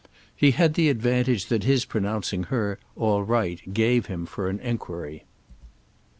He had the advantage that his pronouncing her "all right" gave him for an enquiry.